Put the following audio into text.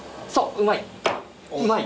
うまい。